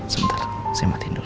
sebentar saya matiin dulu